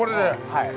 はい。